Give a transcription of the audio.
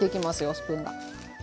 スプーンが。